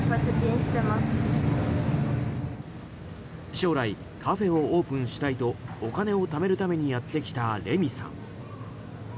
将来、カフェをオープンしたいとお金をためるためにやってきたれみさん。